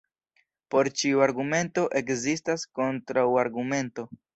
Por ĉiu argumento ekzistas kontraŭargumento.